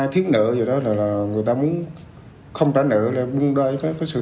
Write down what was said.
hay là vì